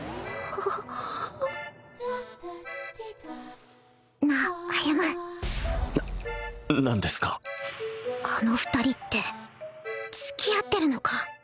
歩な何ですかあの２人って付き合ってるのか？